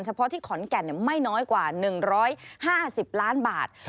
เพาะที่ขอนแก่นไม่น้อยกว่า๑๕๐ล้านบาท